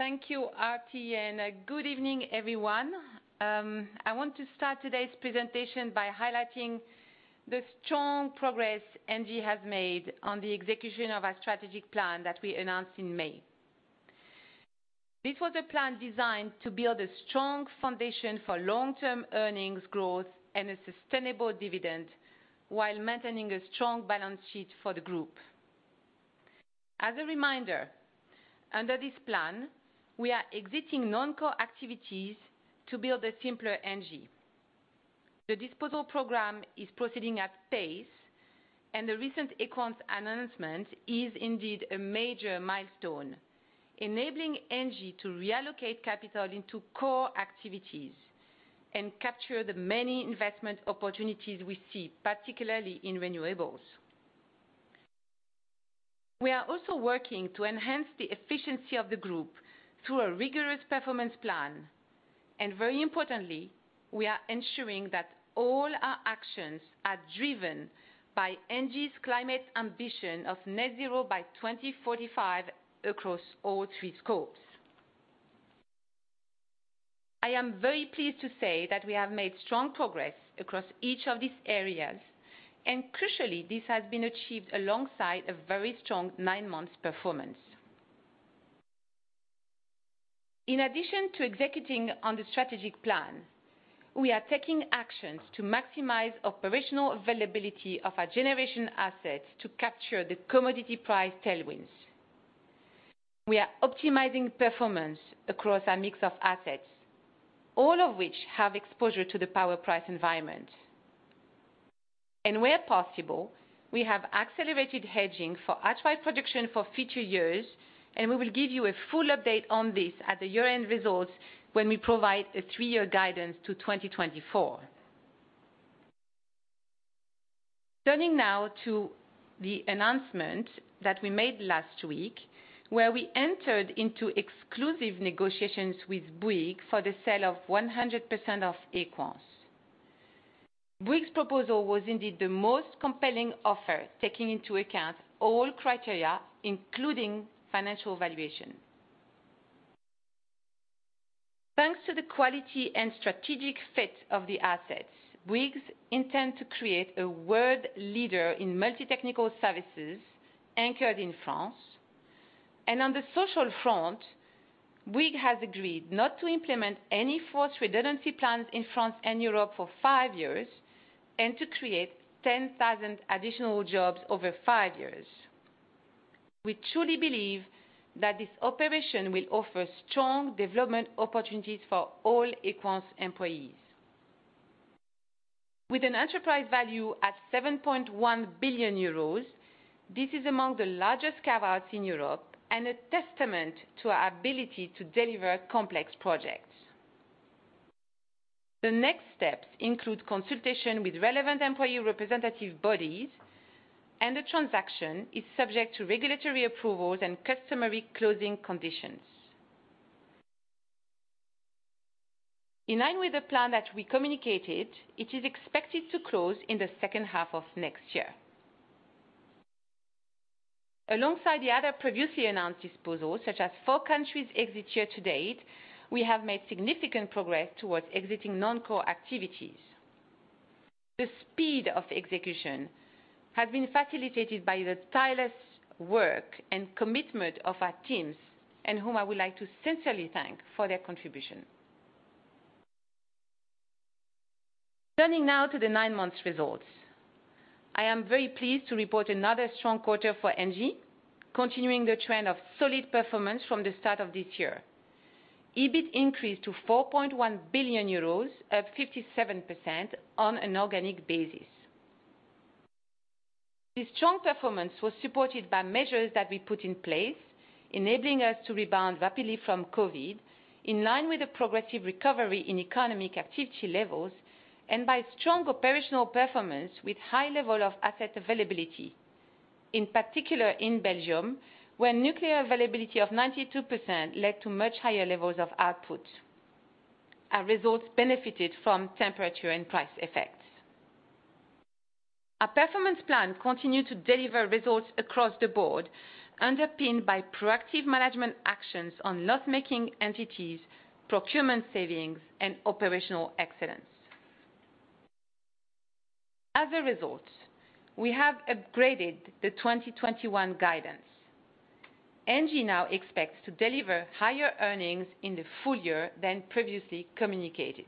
Thank you, Aarti. Good evening, everyone. I want to start today's presentation by highlighting the strong progress ENGIE has made on the execution of our strategic plan that we announced in May. This was a plan designed to build a strong foundation for long-term earnings growth and a sustainable dividend while maintaining a strong balance sheet for the group. As a reminder, under this plan, we are exiting non-core activities to build a simpler ENGIE. The disposal program is proceeding at pace, and the recent accounts announcement is indeed a major milestone, enabling ENGIE to reallocate capital into core activities and capture the many investment opportunities we see, particularly in renewables. We are also working to enhance the efficiency of the group through a rigorous performance plan. Very importantly, we are ensuring that all our actions are driven by ENGIE's climate ambition of net zero by 2045 across all three scopes. I am very pleased to say that we have made strong progress across each of these areas, and crucially, this has been achieved alongside a very strong nine-month performance. In addition to executing on the strategic plan, we are taking actions to maximize operational availability of our generation assets to capture the commodity price tailwinds. We are optimizing performance across our mix of assets, all of which have exposure to the power price environment. And where possible, we have accelerated hedging for outright production for future years, and we will give you a full update on this at the year-end results when we provide a three-year guidance to 2024. Turning now to the announcement that we made last week, where we entered into exclusive negotiations with Bouygues for the sale of 100% of Equans. Bouygues' proposal was indeed the most compelling offer, taking into account all criteria, including financial valuation. Thanks to the quality and strategic fit of the assets, Bouygues intends to create a world leader in multi-technical services anchored in France. On the social front, Bouygues has agreed not to implement any forced redundancy plans in France and Europe for five years and to create 10,000 additional jobs over five years. We truly believe that this operation will offer strong development opportunities for all Equans employees. With an enterprise value at 7.1 billion euros, this is among the largest carve-outs in Europe and a testament to our ability to deliver complex projects. The next steps include consultation with relevant employee representative bodies, and the transaction is subject to regulatory approvals and customary closing conditions. In line with the plan that we communicated, it is expected to close in the second half of next year. Alongside the other previously announced disposals, such as four countries exit year to date, we have made significant progress towards exiting non-core activities. The speed of execution has been facilitated by the tireless work and commitment of our teams, and whom I would like to sincerely thank for their contribution. Turning now to the nine-month results, I am very pleased to report another strong quarter for ENGIE, continuing the trend of solid performance from the start of this year. EBIT increased to 4.1 billion euros, up 57% on an organic basis. This strong performance was supported by measures that we put in place, enabling us to rebound rapidly from COVID, in line with a progressive recovery in economic activity levels, and by strong operational performance with high levels of asset availability, in particular in Belgium, where nuclear availability of 92% led to much higher levels of output. Our results benefited from temperature and price effects. Our performance plan continued to deliver results across the board, underpinned by proactive management actions on loss-making entities, procurement savings, and operational excellence. As a result, we have upgraded the 2021 guidance. ENGIE now expects to deliver higher earnings in the full year than previously communicated.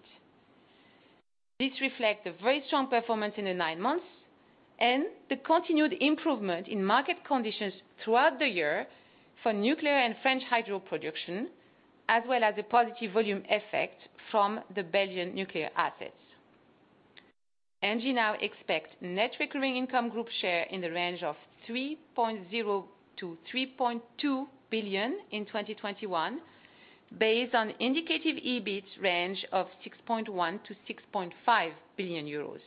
This reflects the very strong performance in the nine months and the continued improvement in market conditions throughout the year for nuclear and French hydro production, as well as a positive volume effect from the Belgian nuclear assets. ENGIE now expects net recurring income group share in the range of 3.0 billion-3.2 billion in 2021, based on indicative EBIT range of 6.1 billion -6.5 billion euros.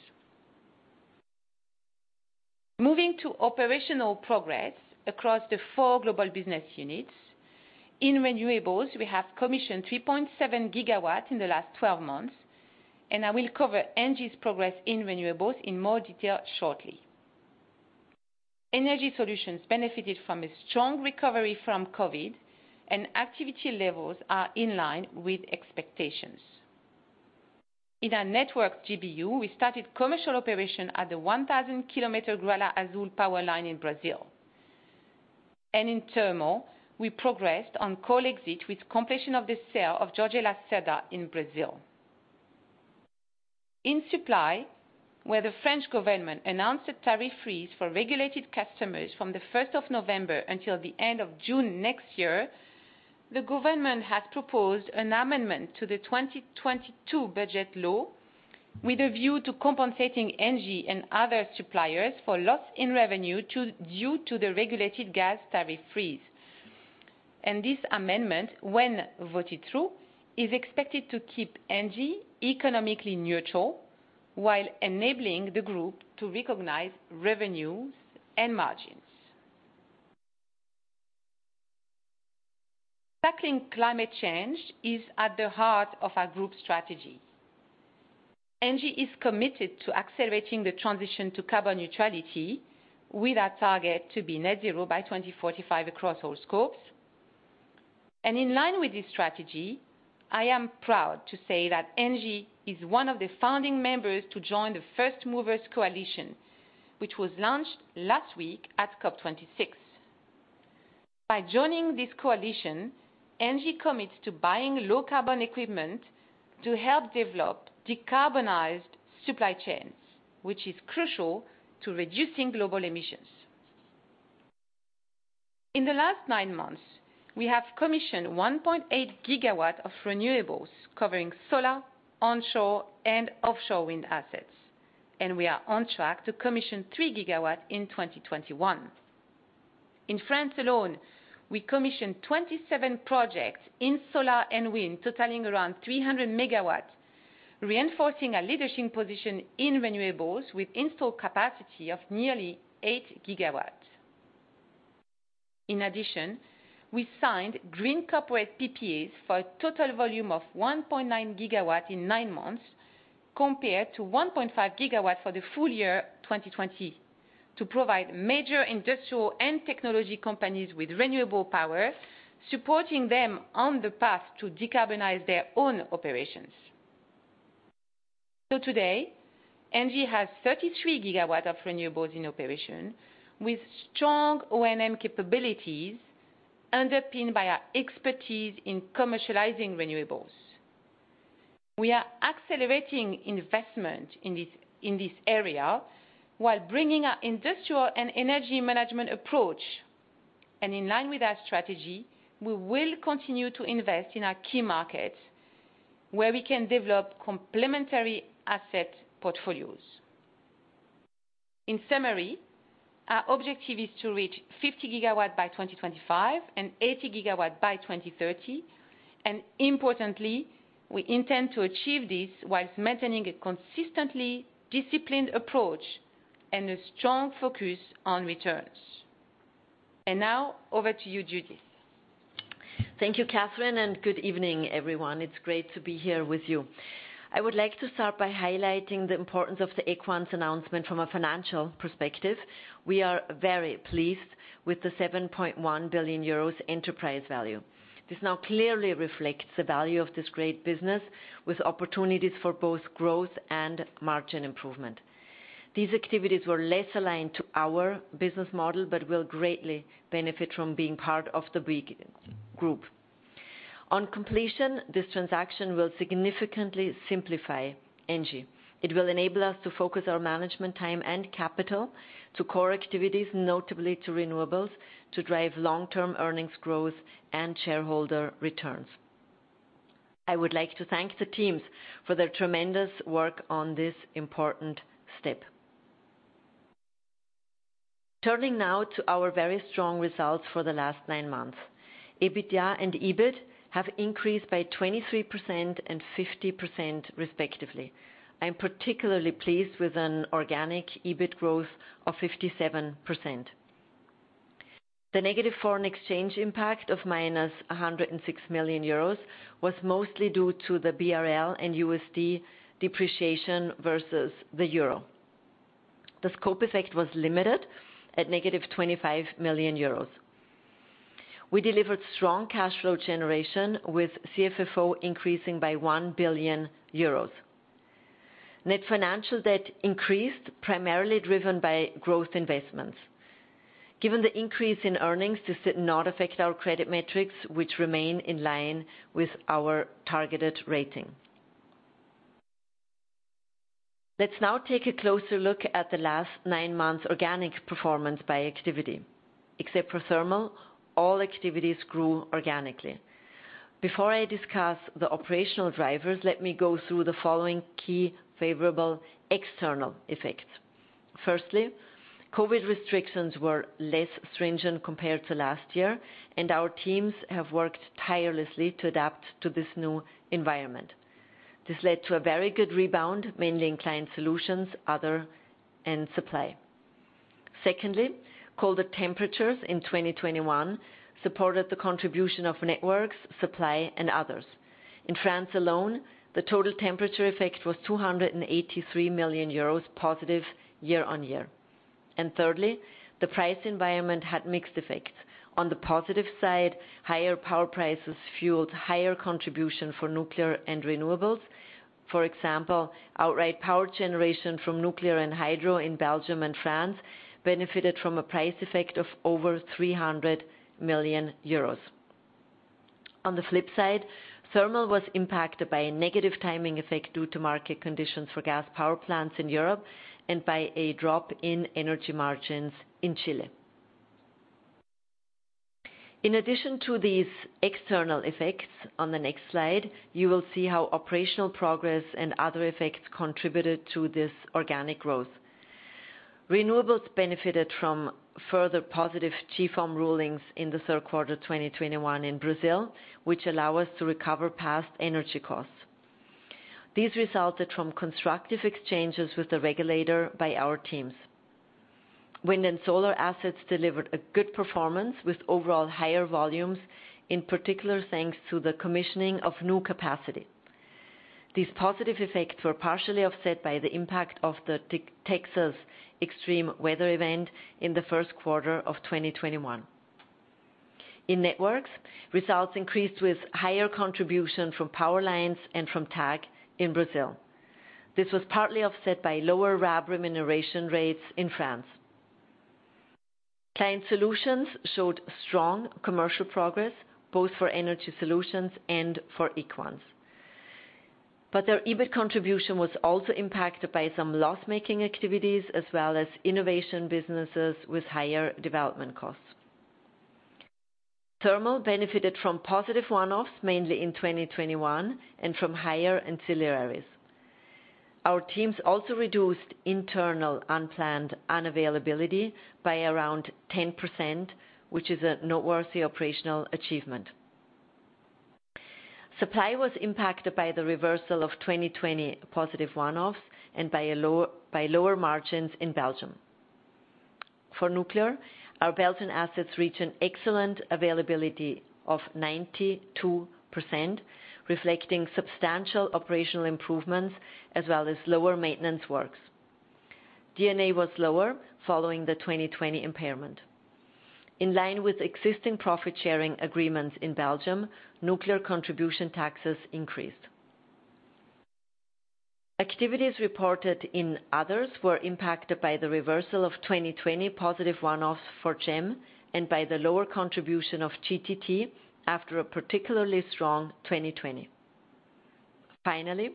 Moving to operational progress across the four global business units, in renewables, we have commissioned 3.7 GWs in the last 12 months, and I will cover ENGIE's progress in renewables in more detail shortly. Energy solutions benefited from a strong recovery from COVID, and activity levels are in line with expectations. In our network GBU, we started commercial operation at the 1,000-kilometer Gralha Azul power line in Brazil. And in thermal, we progressed on coal exit with completion of the sale of Jorge Lacerda in Brazil. In supply, where the French government announced a tariff freeze for regulated customers from the 1st of November until the end of June next year, the government has proposed an amendment to the 2022 budget law with a view to compensating ENGIE and other suppliers for loss in revenue due to the regulated gas tariff freeze, and this amendment, when voted through, is expected to keep ENGIE economically neutral while enabling the group to recognize revenues and margins. Tackling climate change is at the heart of our group strategy. ENGIE is committed to accelerating the transition to carbon neutrality with our target to be net zero by 2045 across all scopes, and in line with this strategy, I am proud to say that ENGIE is one of the founding members to join the First Movers Coalition, which was launched last week at COP26. By joining this coalition, ENGIE commits to buying low-carbon equipment to help develop decarbonized supply chains, which is crucial to reducing global emissions. In the last nine months, we have commissioned 1.8 GWs of renewables covering solar, onshore, and offshore wind assets, and we are on track to commission 3 GWs in 2021. In France alone, we commissioned 27 projects in solar and wind, totaling around 300 MWs, reinforcing our leadership position in renewables with installed capacity of nearly 8 GWs. In addition, we signed green corporate PPAs for a total volume of 1.9 GWs in nine months, compared to 1.5 GWs for the full year 2020, to provide major industrial and technology companies with renewable power, supporting them on the path to decarbonize their own operations. So today, ENGIE has 33 GWs of renewables in operation with strong O&M capabilities, underpinned by our expertise in commercializing renewables. We are accelerating investment in this area while bringing our industrial and energy management approach. And in line with our strategy, we will continue to invest in our key markets where we can develop complementary asset portfolios. In summary, our objective is to reach 50 GWs by 2025 and 80 GWs by 2030. And importantly, we intend to achieve this while maintaining a consistently disciplined approach and a strong focus on returns. And now, over to you, Judith. Thank you, Catherine, and good evening, everyone. It's great to be here with you. I would like to start by highlighting the importance of the Equans announcement from a financial perspective. We are very pleased with the 7.1 billion euros enterprise value. This now clearly reflects the value of this great business, with opportunities for both growth and margin improvement. These activities were less aligned to our business model but will greatly benefit from being part of the Bouygues group. On completion, this transaction will significantly simplify ENGIE. It will enable us to focus our management time and capital to core activities, notably to renewables, to drive long-term earnings growth and shareholder returns. I would like to thank the teams for their tremendous work on this important step. Turning now to our very strong results for the last nine months, EBITDA and EBIT have increased by 23% and 50%, respectively. I am particularly pleased with an organic EBIT growth of 57%. The negative foreign exchange impact of -106 million euros was mostly due to the BRL and USD depreciation versus the euro. The scope effect was limited at -25 million euros. We delivered strong cash flow generation, with CFFO increasing by 1 billion euros. Net financial debt increased, primarily driven by growth investments. Given the increase in earnings, this did not affect our credit metrics, which remain in line with our targeted rating. Let's now take a closer look at the last nine months' organic performance by activity. Except for thermal, all activities grew organically. Before I discuss the operational drivers, let me go through the following key favorable external effects. Firstly, COVID restrictions were less stringent compared to last year, and our teams have worked tirelessly to adapt to this new environment. This led to a very good rebound, mainly in client solutions, other, and supply. Secondly, colder temperatures in 2021 supported the contribution of networks, supply, and others. In France alone, the total temperature effect was 283 million euros positive year on year, and thirdly, the price environment had mixed effects. On the positive side, higher power prices fueled higher contribution for nuclear and renewables. For example, outright power generation from nuclear and hydro in Belgium and France benefited from a price effect of over 300 million euros. On the flip side, thermal was impacted by a negative timing effect due to market conditions for gas power plants in Europe and by a drop in energy margins in Chile. In addition to these external effects, on the next slide, you will see how operational progress and other effects contributed to this organic growth. Renewables benefited from further positive GSF rulings in the third quarter 2021 in Brazil, which allow us to recover past energy costs. These resulted from constructive exchanges with the regulator by our teams. Wind and solar assets delivered a good performance with overall higher volumes, in particular thanks to the commissioning of new capacity. These positive effects were partially offset by the impact of the Texas extreme weather event in the first quarter of 2021. In networks, results increased with higher contribution from power lines and from TAG in Brazil. This was partly offset by lower RAB remuneration rates in France. Client solutions showed strong commercial progress, both for energy solutions and for Equans. But their EBIT contribution was also impacted by some loss-making activities, as well as innovation businesses with higher development costs. Thermal benefited from positive one-offs, mainly in 2021, and from higher ancillaries. Our teams also reduced internal unplanned unavailability by around 10%, which is a noteworthy operational achievement. Supply was impacted by the reversal of 2020 positive one-offs and by lower margins in Belgium. For nuclear, our Belgian assets reached an excellent availability of 92%, reflecting substantial operational improvements as well as lower maintenance works. EBITDA was lower following the 2020 impairment. In line with existing profit-sharing agreements in Belgium, nuclear contribution taxes increased. Activities reported in others were impacted by the reversal of 2020 positive one-offs for GEM and by the lower contribution of GTT after a particularly strong 2020. Finally,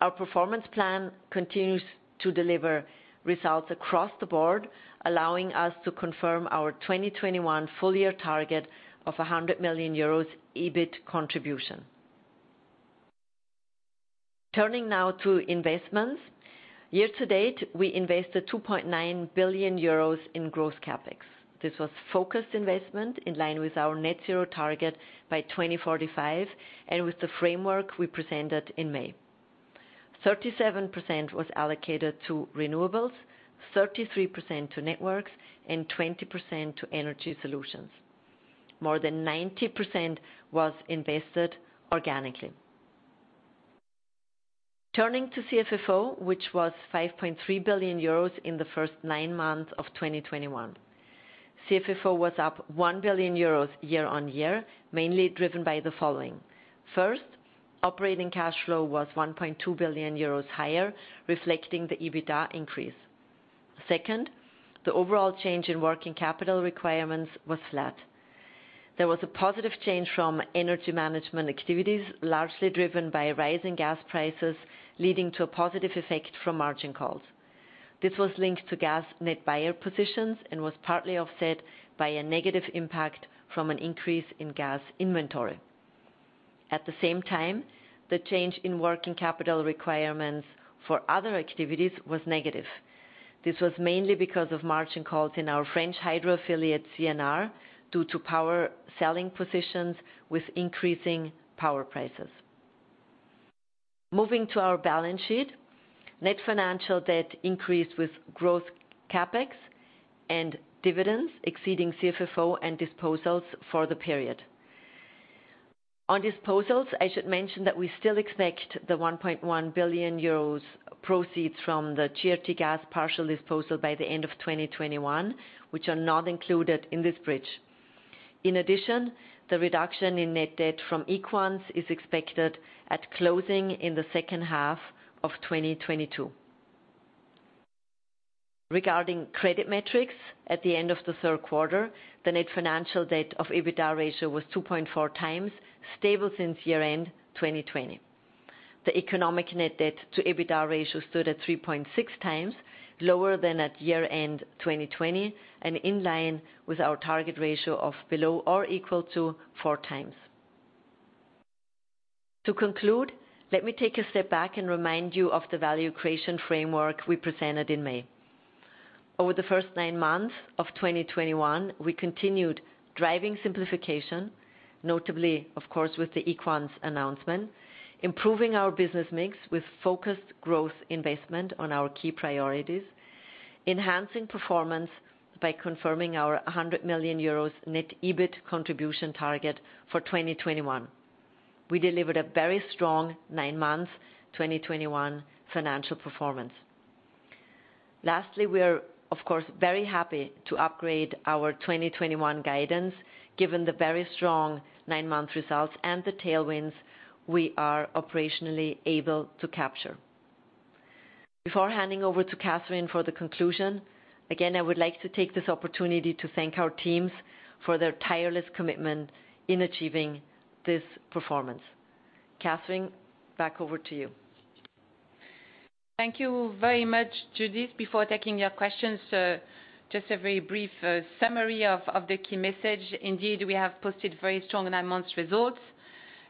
our performance plan continues to deliver results across the board, allowing us to confirm our 2021 full-year target of 100 million euros EBIT contribution. Turning now to investments, year to date, we invested 2.9 billion euros in gross CapEx. This was focused investment in line with our Net Zero target by 2045 and with the framework we presented in May. 37% was allocated to renewables, 33% to networks, and 20% to energy solutions. More than 90% was invested organically. Turning to CFFO, which was 5.3 billion euros in the first nine months of 2021. CFFO was up 1 billion euros year on year, mainly driven by the following. First, operating cash flow was 1.2 billion euros higher, reflecting the EBITDA increase. Second, the overall change in working capital requirements was flat. There was a positive change from energy management activities, largely driven by rising gas prices, leading to a positive effect from margin calls. This was linked to gas net buyer positions and was partly offset by a negative impact from an increase in gas inventory. At the same time, the change in working capital requirements for other activities was negative. This was mainly because of margin calls in our French hydro affiliate CNR due to power selling positions with increasing power prices. Moving to our balance sheet, net financial debt increased with growth CapEx and dividends exceeding CFFO and disposals for the period. On disposals, I should mention that we still expect the 1.1 billion euros proceeds from the GRTgaz partial disposal by the end of 2021, which are not included in this bridge. In addition, the reduction in net debt from Equans is expected at closing in the second half of 2022. Regarding credit metrics, at the end of the third quarter, the net financial debt to EBITDA ratio was 2.4x, stable since year-end 2020. The economic net debt to EBITDA ratio stood at 3.6x, lower than at year-end 2020 and in line with our target ratio of below or equal to 4x. To conclude, let me take a step back and remind you of the value creation framework we presented in May. Over the first nine months of 2021, we continued driving simplification, notably, of course, with the Equans announcement, improving our business mix with focused growth investment on our key priorities, enhancing performance by confirming our 100 million euros net EBIT contribution target for 2021. We delivered a very strong nine-month 2021 financial performance. Lastly, we are, of course, very happy to upgrade our 2021 guidance, given the very strong nine-month results and the tailwinds we are operationally able to capture. Before handing over to Catherine for the conclusion, again, I would like to take this opportunity to thank our teams for their tireless commitment in achieving this performance. Catherine, back over to you. Thank you very much, Judith. Before taking your questions, just a very brief summary of the key message. Indeed, we have posted very strong nine-month results.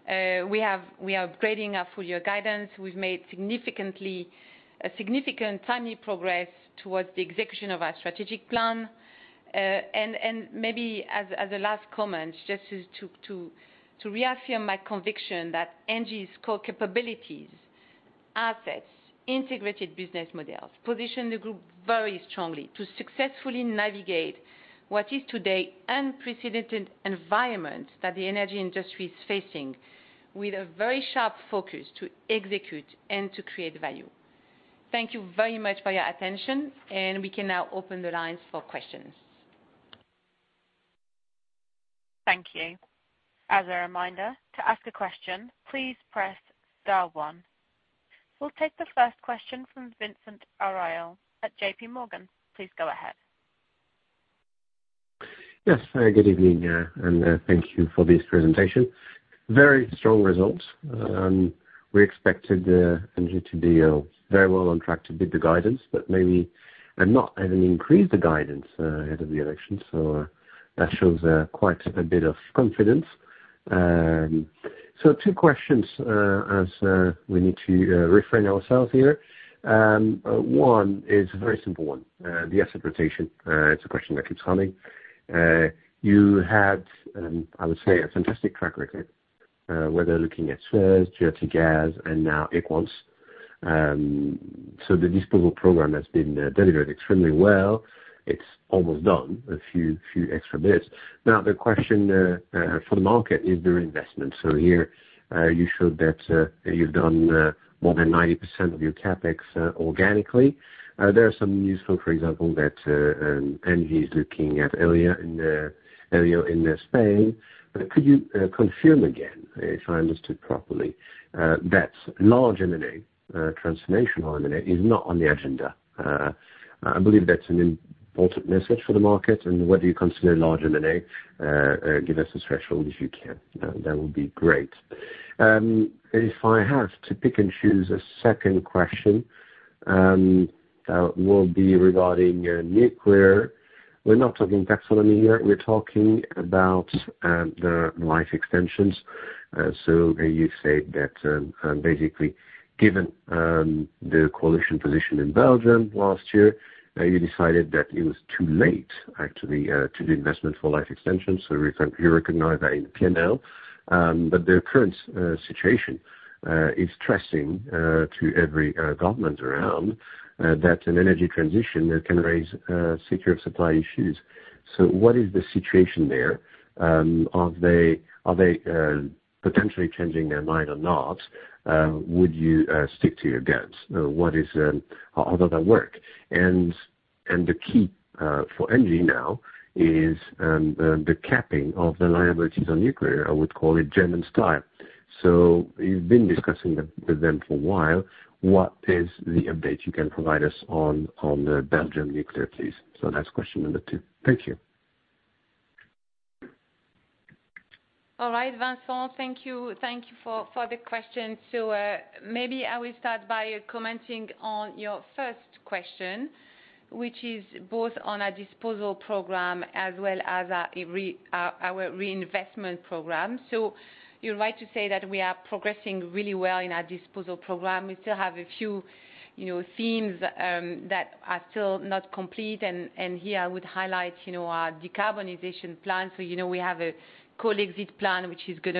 We are upgrading our full-year guidance. We've made a significant timely progress towards the execution of our strategic plan. And maybe as a last comment, just to reaffirm my conviction that ENGIE's core capabilities, assets, integrated business models position the group very strongly to successfully navigate what is today an unprecedented environment that the energy industry is facing with a very sharp focus to execute and to create value. Thank you very much for your attention, and we can now open the lines for questions. Thank you. As a reminder, to ask a question, please press star one. We'll take the first question from Vincent Ayral at J.P. Morgan. Please go ahead. Yes, good evening and thank you for this presentation. Very strong results. We expected ENGIE to be very well on track to beat the guidance, but maybe not having increased the guidance ahead of the election. So that shows quite a bit of confidence. So two questions as we need to refrain ourselves here. One is a very simple one, the asset rotation. It's a question that keeps coming. You had, I would say, a fantastic track record whether looking at Suez, GRTgaz, and now Equans. So the disposal program has been delivered extremely well. It's almost done, a few extra bits. Now, the question for the market is the reinvestment. So here you showed that you've done more than 90% of your CapEx organically. There are some news, for example, that ENGIE is looking at in Spain. Could you confirm again, if I understood properly, that large M&A, transformational M&A, is not on the agenda? I believe that's an important message for the market. And what do you consider large M&A? Give us a threshold if you can. That would be great. If I have to pick and choose a second question, that will be regarding nuclear. We're not talking taxonomy here. We're talking about life extensions. So you said that basically, given the coalition position in Belgium last year, you decided that it was too late, actually, to do investment for life extensions. So you recognize that in P&L. But the current situation is stressing to every government around that an energy transition can raise secure supply issues. So what is the situation there? Are they potentially changing their mind or not? Would you stick to your guns? What is other than work? The key for ENGIE now is the capping of the liabilities on nuclear. I would call it German style. You've been discussing with them for a while. What is the update you can provide us on the Belgian nuclear, please? That's question number two. Thank you. All right, Vincent, thank you for the question. So maybe I will start by commenting on your first question, which is both on our disposal program as well as our reinvestment program. So you're right to say that we are progressing really well in our disposal program. We still have a few themes that are still not complete. And here, I would highlight our decarbonization plan. So we have a coal-exit plan, which is going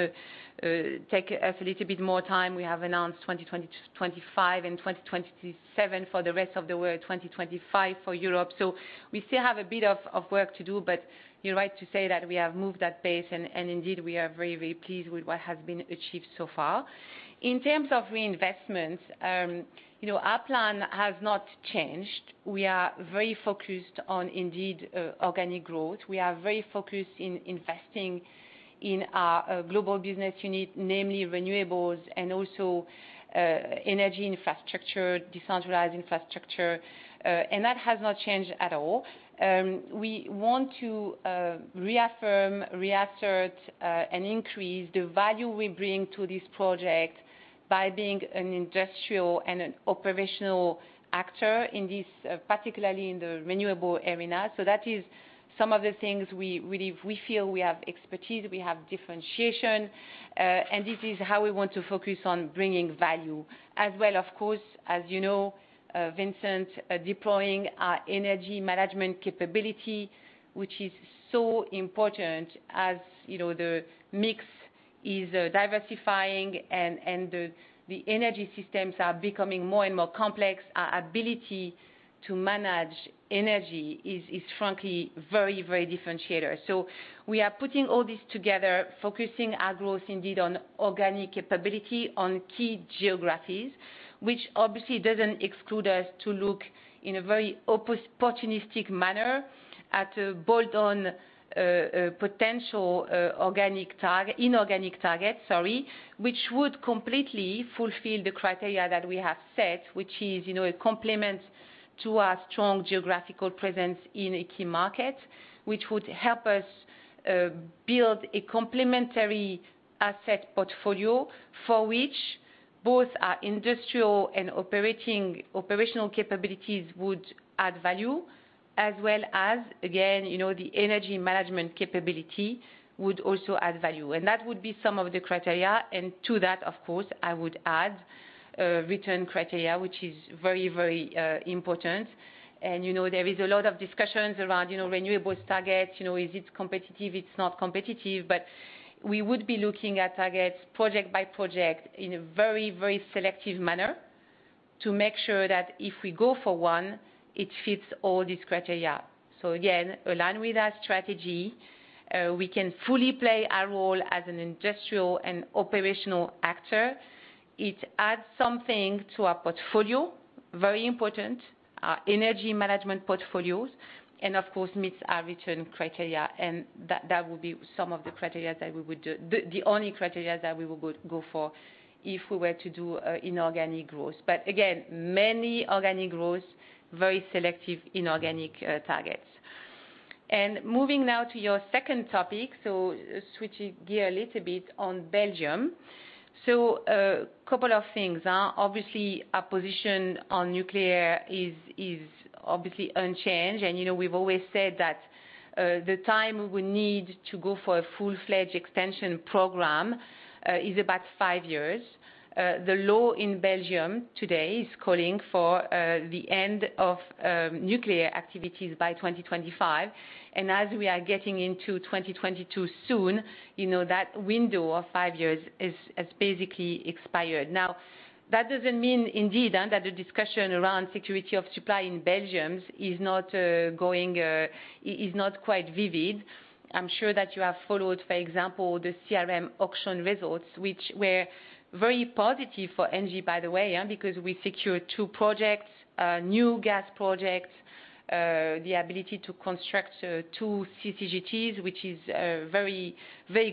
to take us a little bit more time. We have announced 2025 and 2027 for the rest of the world, 2025 for Europe. So we still have a bit of work to do. But you're right to say that we have moved that base. And indeed, we are very, very pleased with what has been achieved so far. In terms of reinvestments, our plan has not changed. We are very focused on, indeed, organic growth. We are very focused in investing in our global business unit, namely renewables and also energy infrastructure, decentralized infrastructure. And that has not changed at all. We want to reaffirm, reassert, and increase the value we bring to this project by being an industrial and an operational actor, particularly in the renewable arena. So that is some of the things we feel we have expertise, we have differentiation. And this is how we want to focus on bringing value. As well, of course, as you know, Vincent, deploying our energy management capability, which is so important as the mix is diversifying and the energy systems are becoming more and more complex, our ability to manage energy is, frankly, very, very differentiated. So we are putting all this together, focusing our growth, indeed, on organic capability on key geographies, which obviously doesn't exclude us to look in a very opportunistic manner at a bolt-on potential inorganic target, sorry, which would completely fulfill the criteria that we have set, which is a complement to our strong geographical presence in a key market, which would help us build a complementary asset portfolio for which both our industrial and operational capabilities would add value, as well as, again, the energy management capability would also add value. And that would be some of the criteria. And to that, of course, I would add a return criteria, which is very, very important. And there is a lot of discussions around renewables targets. Is it competitive? It's not competitive. But we would be looking at targets project by project in a very, very selective manner to make sure that if we go for one, it fits all these criteria. So again, align with our strategy. We can fully play our role as an industrial and operational actor. It adds something to our portfolio, very important, our energy management portfolios, and of course, meets our return criteria. And that will be some of the criteria that we would do, the only criteria that we would go for if we were to do inorganic growth. But again, many organic growth, very selective inorganic targets. And moving now to your second topic, so switching gear a little bit on Belgium. So a couple of things. Obviously, our position on nuclear is obviously unchanged. And we've always said that the time we would need to go for a full-fledged extension program is about five years. The law in Belgium today is calling for the end of nuclear activities by 2025. And as we are getting into 2022 soon, that window of five years has basically expired. Now, that doesn't mean, indeed, that the discussion around security of supply in Belgium is not quite vivid. I'm sure that you have followed, for example, the CRM auction results, which were very positive for ENGIE, by the way, because we secured two projects, new gas projects, the ability to construct two CCGTs, which is very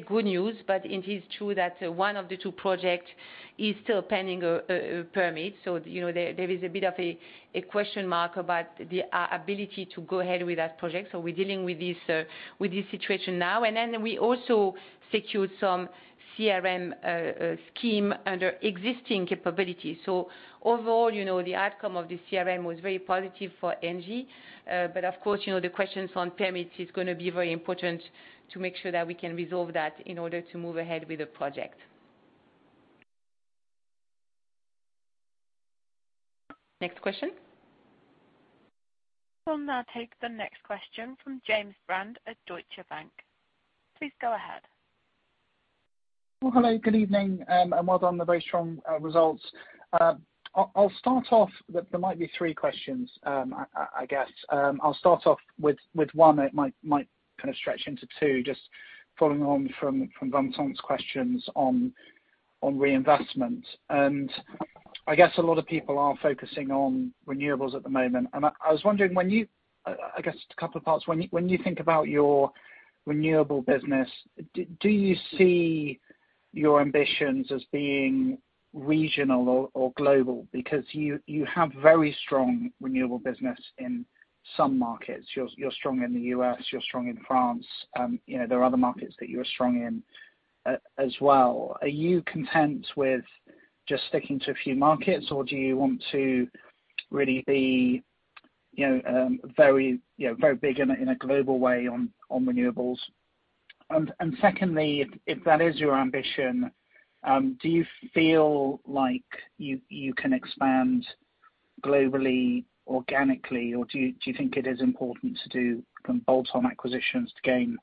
good news. But it is true that one of the two projects is still pending a permit. So we're dealing with this situation now. We also secured some CRM scheme under existing capabilities. Overall, the outcome of the CRM was very positive for ENGIE. Of course, the questions on permits are going to be very important to make sure that we can resolve that in order to move ahead with the project. Next question. I'll now take the next question from James Brand at Deutsche Bank. Please go ahead. Hello, good evening, and well done on the very strong results. I'll start off that there might be three questions, I guess. I'll start off with one, and it might kind of stretch into two, just following on from Vincent's questions on reinvestment. I guess a lot of people are focusing on renewables at the moment. I was wondering, I guess, a couple of parts. When you think about your renewable business, do you see your ambitions as being regional or global? Because you have very strong renewable business in some markets. You're strong in the U.S., you're strong in France. There are other markets that you're strong in as well. Are you content with just sticking to a few markets, or do you want to really be very big in a global way on renewables? And secondly, if that is your ambition, do you feel like you can expand globally organically, or do you think it is important to do some bolt-on acquisitions to gain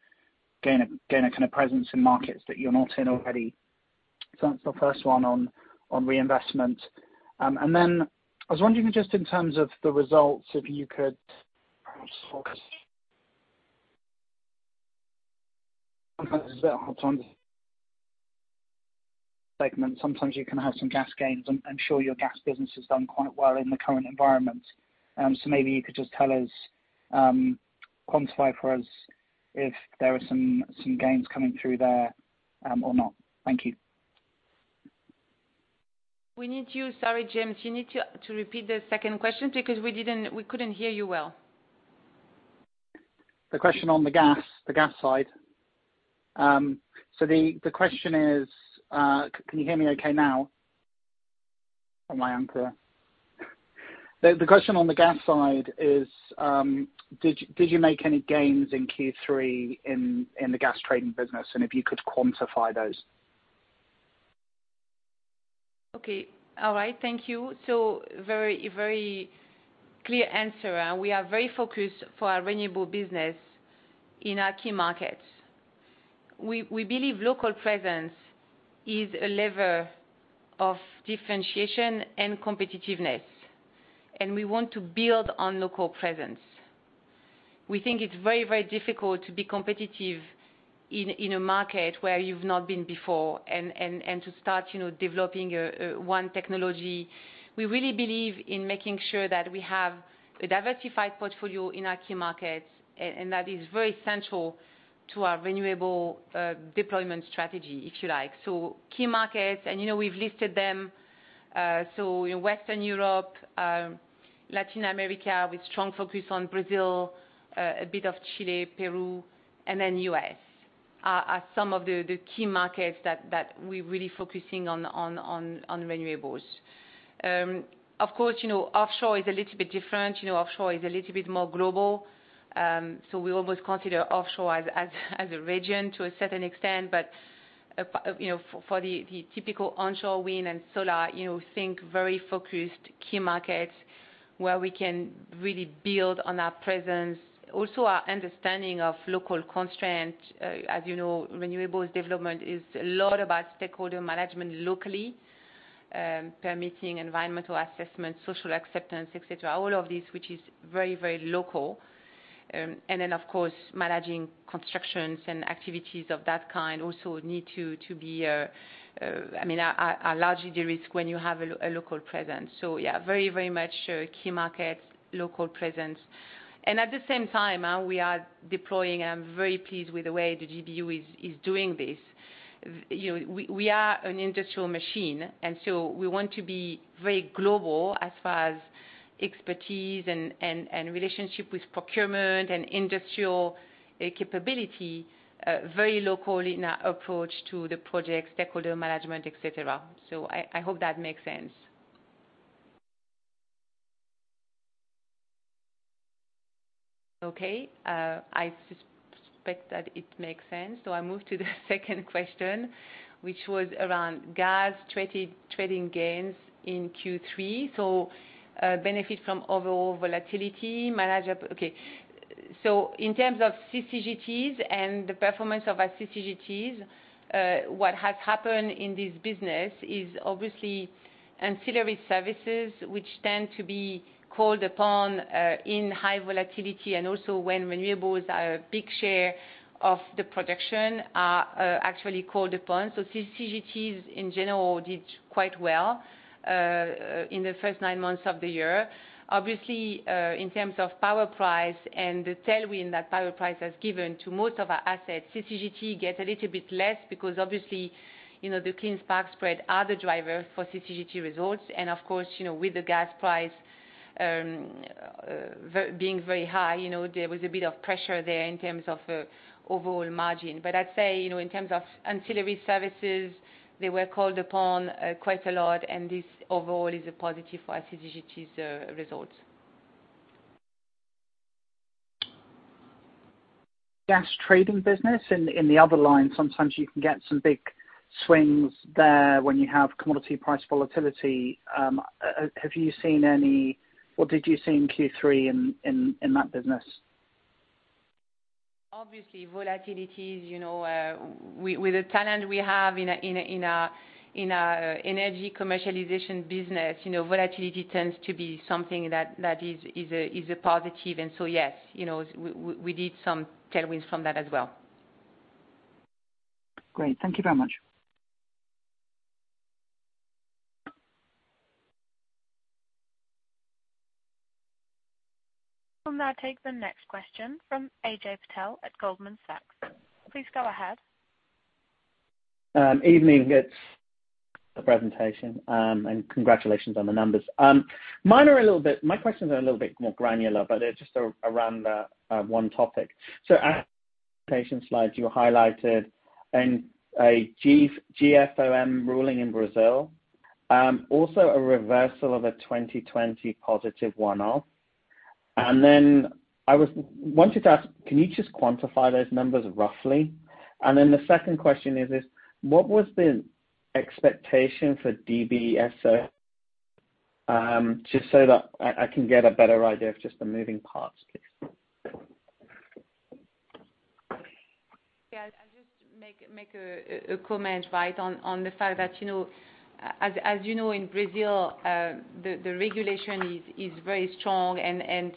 a kind of presence in markets that you're not in already? So that's the first one on reinvestment. And then I was wondering just in terms of the results, if you could perhaps focus. Sometimes it's a bit hard to understand. Sometimes you can have some gas gains. I'm sure your gas business has done quite well in the current environment. So maybe you could just quantify for us if there are some gains coming through there or not. Thank you. We need you, sorry, James, you need to repeat the second question because we couldn't hear you well. The question on the gas side. So the question is, can you hear me okay now? On my end. The question on the gas side is, did you make any gains in Q3 in the gas trading business, and if you could quantify those? Okay. All right. Thank you. So very clear answer. We are very focused for our renewable business in our key markets. We believe local presence is a lever of differentiation and competitiveness. And we want to build on local presence. We think it's very, very difficult to be competitive in a market where you've not been before and to start developing one technology. We really believe in making sure that we have a diversified portfolio in our key markets, and that is very central to our renewable deployment strategy, if you like. So key markets, and we've listed them. So Western Europe, Latin America, with strong focus on Brazil, a bit of Chile, Peru, and then U.S. are some of the key markets that we're really focusing on renewables. Of course, offshore is a little bit different. Offshore is a little bit more global. So we almost consider offshore as a region to a certain extent. But for the typical onshore wind and solar, think very focused key markets where we can really build on our presence. Also, our understanding of local constraints. As you know, renewables development is a lot about stakeholder management locally, permitting, environmental assessment, social acceptance, etc., all of this, which is very, very local. And then, of course, managing constructions and activities of that kind also need to be, I mean, are largely de-risked when you have a local presence. So yeah, very, very much key markets, local presence. And at the same time, we are deploying, and I'm very pleased with the way the GBU is doing this. We are an industrial machine, and so we want to be very global as far as expertise and relationship with procurement and industrial capability, very local in our approach to the projects, stakeholder management, etc. So I hope that makes sense. Okay. I suspect that it makes sense. So I move to the second question, which was around gas trading gains in Q3. So benefit from overall volatility. Okay. So in terms of CCGTs and the performance of our CCGTs, what has happened in this business is obviously ancillary services, which tend to be called upon in high volatility and also when renewables are a big share of the production are actually called upon. So CCGTs, in general, did quite well in the first nine months of the year. Obviously, in terms of power price and the tailwind that power price has given to most of our assets, CCGT gets a little bit less because, obviously, the clean spark spread are the driver for CCGT results. And of course, with the gas price being very high, there was a bit of pressure there in terms of overall margin. But I'd say in terms of ancillary services, they were called upon quite a lot, and this overall is a positive for our CCGTs results. Gas trading business? In the other line, sometimes you can get some big swings there when you have commodity price volatility. Have you seen any—what did you see in Q3 in that business? Obviously, volatilities. With the talent we have in our energy commercialization business, volatility tends to be something that is a positive. And so yes, we did some tailwinds from that as well. Great. Thank you very much. We'll now take the next question from Ajay Patel at Goldman Sachs. Please go ahead. Evening. It's the presentation, and congratulations on the numbers. Mine are a little bit, my questions are a little bit more granular, but they're just around one topic. So as the presentation slides, you highlighted a GSF ruling in Brazil, also a reversal of a 2020 positive one-off. And then I wanted to ask, can you just quantify those numbers roughly? And then the second question is, what was the expectation for DBSO? Just so that I can get a better idea of just the moving parts, please. Yeah. I'll just make a comment, right, on the fact that, as you know, in Brazil, the regulation is very strong, and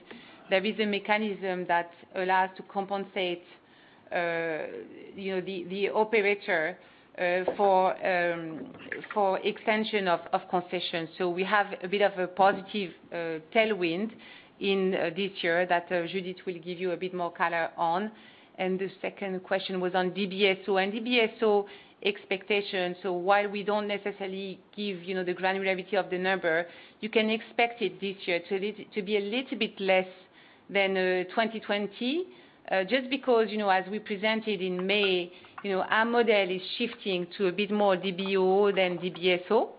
there is a mechanism that allows to compensate the operator for extension of concessions. So we have a bit of a positive tailwind in this year that Judith will give you a bit more color on. And the second question was on DBSO. And DBSO expectations, so while we don't necessarily give the granularity of the number, you can expect it this year to be a little bit less than 2020, just because, as we presented in May, our model is shifting to a bit more DBO than DBSO.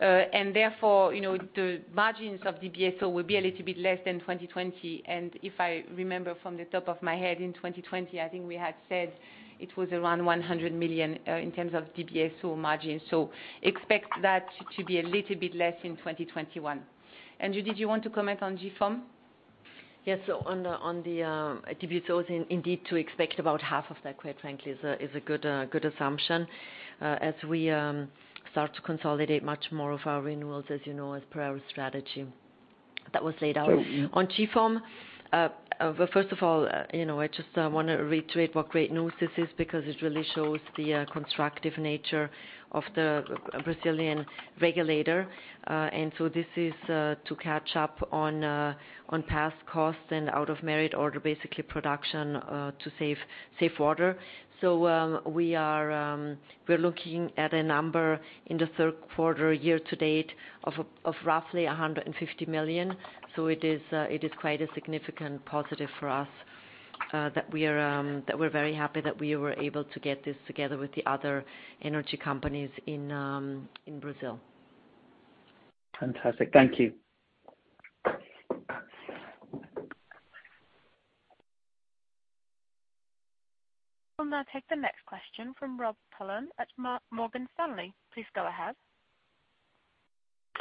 And therefore, the margins of DBSO will be a little bit less than 2020. If I remember from the top of my head, in 2020, I think we had said it was around 100 million in terms of DBSO margin. So expect that to be a little bit less in 2021. Judith, you want to comment on GSF? Yes. So on the DBSOs, indeed, to expect about half of that, quite frankly, is a good assumption as we start to consolidate much more of our renewables, as you know, as per our strategy that was laid out on GSF. But first of all, I just want to reiterate what great news this is because it really shows the constructive nature of the Brazilian regulator. And so this is to catch up on past costs and out-of-merit order, basically production to save water. So we are looking at a number in the third quarter year to date of roughly 150 million. So it is quite a significant positive for us that we're very happy that we were able to get this together with the other energy companies in Brazil. Fantastic. Thank you. We'll now take the next question from Robert Pulleyn at Morgan Stanley. Please go ahead.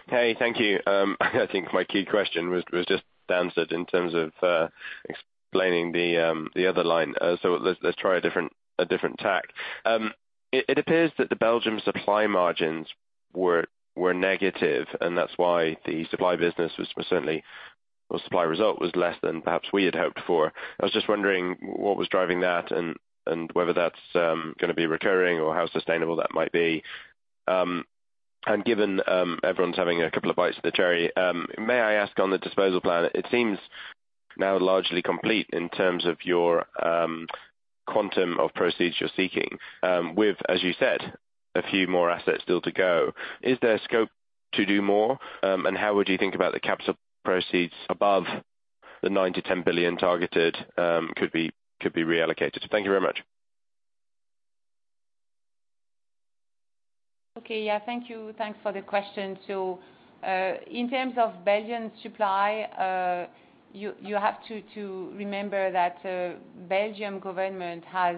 Okay. Thank you. I think my key question was just answered in terms of explaining the other line. So let's try a different tack. It appears that the Belgium supply margins were negative, and that's why the supply business was certainly or supply result was less than perhaps we had hoped for. I was just wondering what was driving that and whether that's going to be recurring or how sustainable that might be. And given everyone's having a couple of bites of the cherry, may I ask on the disposal plan? It seems now largely complete in terms of your quantum of proceeds you're seeking, with, as you said, a few more assets still to go. Is there scope to do more, and how would you think about the capital proceeds above the 9 billion-10 billion targeted could be reallocated? Thank you very much. Okay. Yeah. Thank you. Thanks for the question. In terms of Belgian supply, you have to remember that the Belgian government has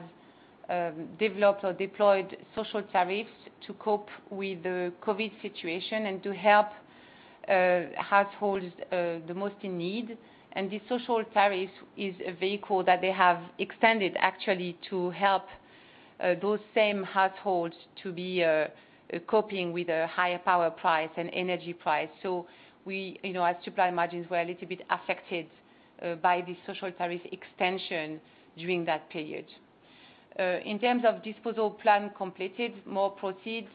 developed or deployed social tariffs to cope with the COVID situation and to help households the most in need. And the social tariff is a vehicle that they have extended, actually, to help those same households to be coping with a higher power price and energy price. So our supply margins were a little bit affected by the social tariff extension during that period. In terms of disposal plan completed, more proceeds,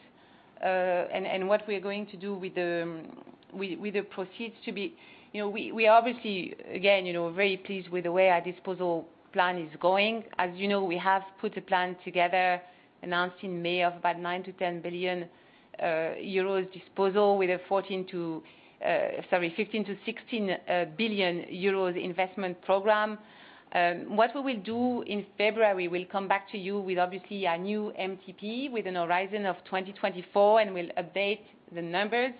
and what we're going to do with the proceeds to be we are obviously, again, very pleased with the way our disposal plan is going. As you know, we have put a plan together announced in May of about 9-10 billion euros disposal with a 14 to—sorry—15 to 16 billion euros investment program. What we will do in February, we'll come back to you with obviously our new MTP with an horizon of 2024, and we'll update the numbers.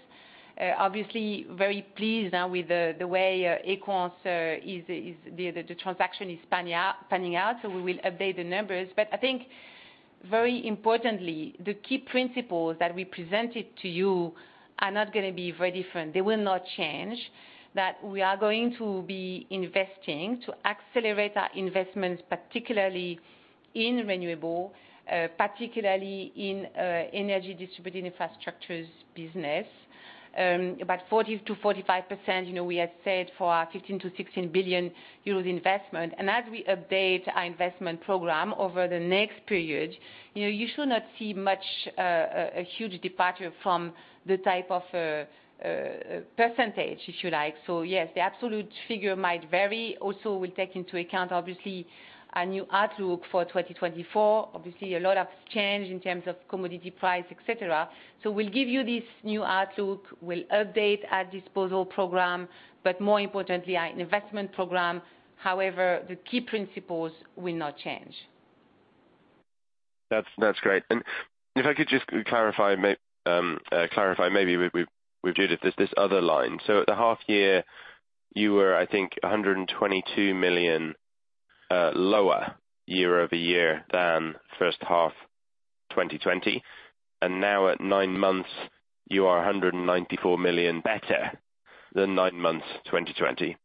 Obviously, very pleased now with the way Equans, the transaction is panning out, so we will update the numbers. But I think, very importantly, the key principles that we presented to you are not going to be very different. They will not change that we are going to be investing to accelerate our investments, particularly in renewable, particularly in energy distributed infrastructures business, about 40%-45%, we had said for our 15-16 billion euros investment, and as we update our investment program over the next period, you should not see a huge departure from the type of percentage, if you like. So yes, the absolute figure might vary. Also, we'll take into account, obviously, our new outlook for 2024. Obviously, a lot of change in terms of commodity price, etc. So we'll give you this new outlook. We'll update our disposal program, but more importantly, our investment program. However, the key principles will not change. That's great and if I could just clarify maybe with Judith this other line. So at the half year, you were, I think, 122 million lower year over year than first half 2020 and now at nine months, you are 194 million better than nine months 2020.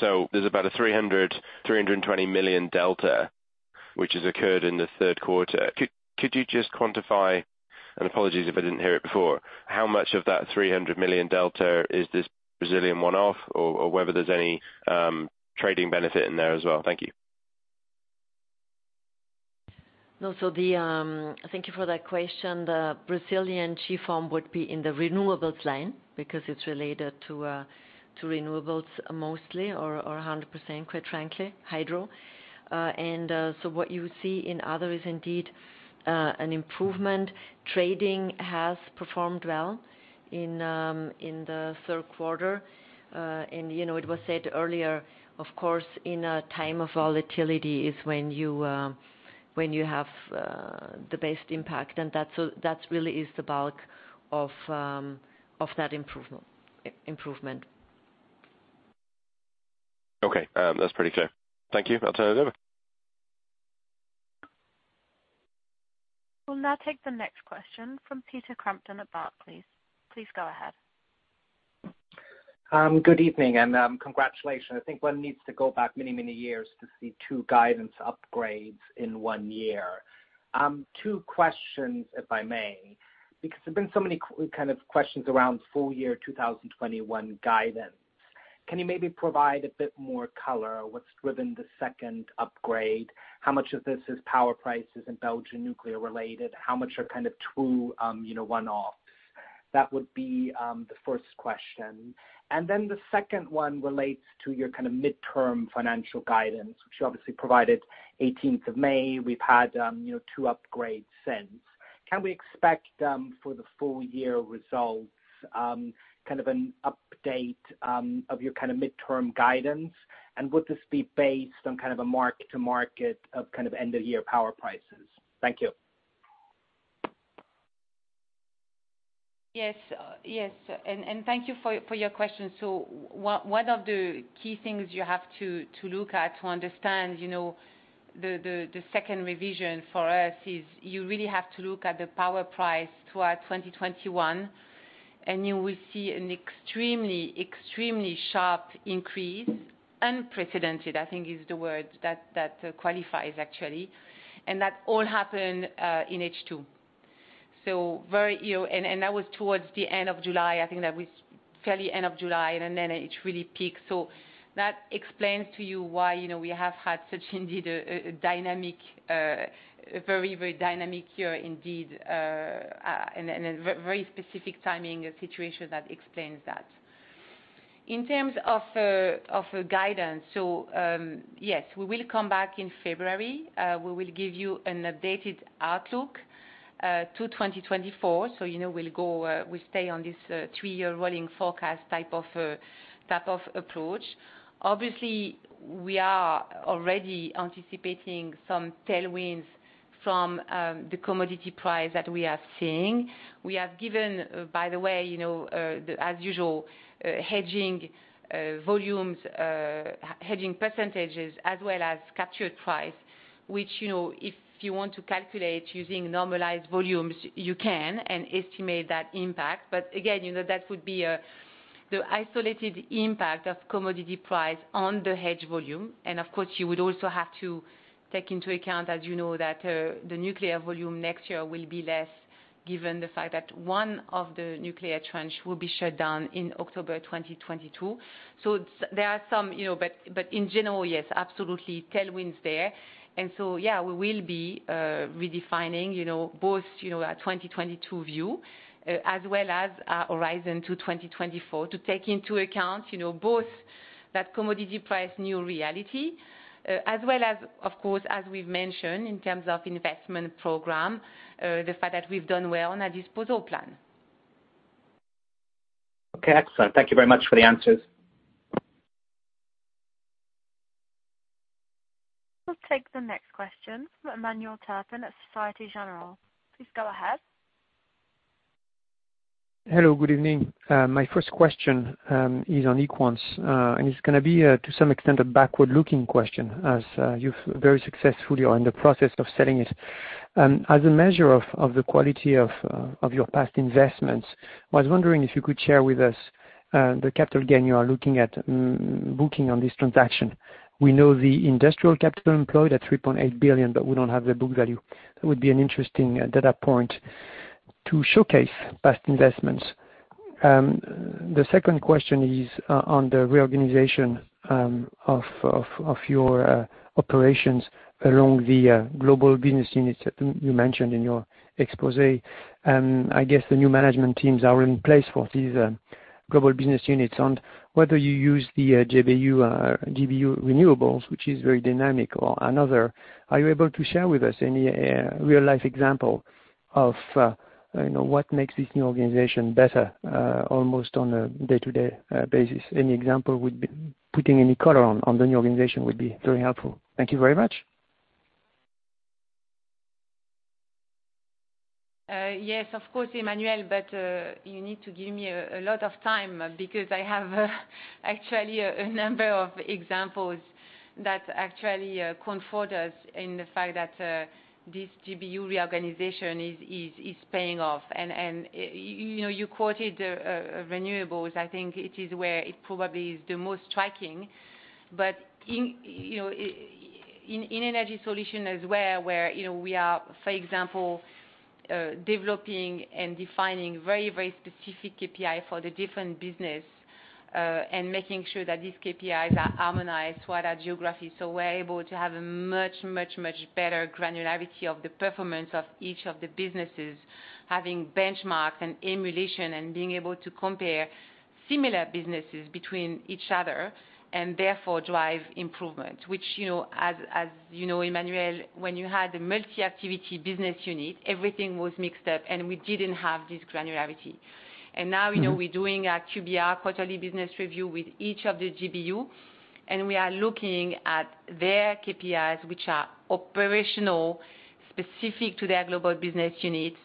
So there's about a 320 million delta, which has occurred in the third quarter. Could you just quantify, and apologies if I didn't hear it before, how much of that 300 million delta is this Brazilian one-off or whether there's any trading benefit in there as well? Thank you. No, so thank you for that question. The Brazilian GSF would be in the renewables line because it's related to renewables mostly or 100%, quite frankly, hydro. And so what you see in other is indeed an improvement. Trading has performed well in the third quarter. And it was said earlier, of course, in a time of volatility is when you have the best impact. And that really is the bulk of that improvement. Okay. That's pretty clear. Thank you. I'll turn it over. We'll now take the next question from Peter Crampton at Barclays, please. Please go ahead. Good evening and congratulations. I think one needs to go back many, many years to see two guidance upgrades in one year. Two questions, if I may, because there have been so many kind of questions around full year 2021 guidance. Can you maybe provide a bit more color? What's driven the second upgrade? How much of this is power prices and Belgian nuclear related? How much are kind of true one-offs? That would be the first question. And then the second one relates to your kind of midterm financial guidance, which you obviously provided 18th of May. We've had two upgrades since. Can we expect for the full year results kind of an update of your kind of midterm guidance? And would this be based on kind of a mark-to-market of kind of end-of-year power prices? Thank you. Yes. Yes. And thank you for your question. So one of the key things you have to look at to understand the second revision for us is you really have to look at the power price throughout 2021, and you will see an extremely, extremely sharp increase, unprecedented. I think is the word that qualifies actually. And that all happened in H2. And that was towards the end of July. I think that was fairly end of July, and then it really peaked. So that explains to you why we have had such indeed a dynamic, very, very dynamic year indeed, and a very specific timing situation that explains that. In terms of guidance, so yes, we will come back in February. We will give you an updated outlook to 2024. So we'll stay on this three-year rolling forecast type of approach. Obviously, we are already anticipating some tailwinds from the commodity price that we are seeing. We have given, by the way, as usual, hedging volumes, hedging percentages, as well as captured price, which if you want to calculate using normalized volumes, you can and estimate that impact. But again, that would be the isolated impact of commodity price on the hedge volume. And of course, you would also have to take into account, as you know, that the nuclear volume next year will be less given the fact that one of the nuclear tranches will be shut down in October 2022. So there are some, but in general, yes, absolutely tailwinds there. And so, yeah, we will be redefining both our 2022 view as well as our horizon to 2024 to take into account both that commodity price new reality, as well as, of course, as we've mentioned in terms of investment program, the fact that we've done well on our disposal plan. Okay. Excellent. Thank you very much for the answers. We'll take the next question from Emmanuel Turpin at Société Générale. Please go ahead. Hello. Good evening. My first question is on Equans, and it's going to be to some extent a backward-looking question, as you very successfully are in the process of selling it. As a measure of the quality of your past investments, I was wondering if you could share with us the capital gain you are looking at booking on this transaction. We know the industrial capital employed at 3.8 billion, but we don't have the book value. That would be an interesting data point to showcase past investments. The second question is on the reorganization of your operations along the global business units that you mentioned in your exposé. I guess the new management teams are in place for these global business units. Whether you use the GBU renewables, which is very dynamic, or another, are you able to share with us any real-life example of what makes this new organization better almost on a day-to-day basis? Any example would be putting any color on the new organization. Would be very helpful. Thank you very much. Yes, of course, Emmanuel, but you need to give me a lot of time because I have actually a number of examples that actually confirm us in the fact that this GBU reorganization is paying off. And you quoted renewables. I think it is where it probably is the most striking. But in energy solution as well, where we are, for example, developing and defining very, very specific KPIs for the different business and making sure that these KPIs are harmonized throughout our geography. So we're able to have a much, much, much better granularity of the performance of each of the businesses, having benchmarks and emulation and being able to compare similar businesses between each other and therefore drive improvement, which, as you know, Emmanuel, when you had the multi-activity business unit, everything was mixed up, and we didn't have this granularity. And now we're doing our QBR quarterly business review with each of the GBU, and we are looking at their KPIs, which are operational, specific to their global business units,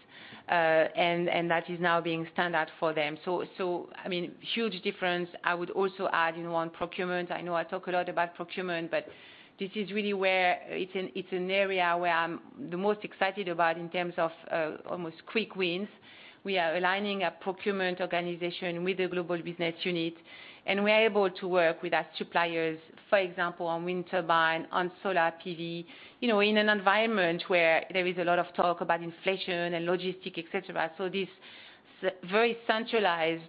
and that is now being standard for them. So, I mean, huge difference. I would also add in one procurement. I know I talk a lot about procurement, but this is really where it's an area where I'm the most excited about in terms of almost quick wins. We are aligning a procurement organization with the global business unit, and we are able to work with our suppliers, for example, on wind turbine, on solar PV, in an environment where there is a lot of talk about inflation and logistics, etc. So this very centralized,